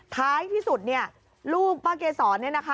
ท้ายที่สุดเนี่ยลูกป้าเกษรเนี่ยนะคะ